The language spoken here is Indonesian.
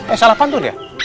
eh salah pantun ya